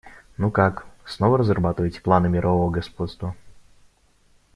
Ну как, снова разрабатываете планы мирового господства?